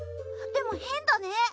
でも変だね。